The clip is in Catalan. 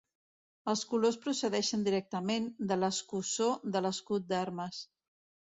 Els colors procedeixen directament de l'escussó de l'escut d'armes.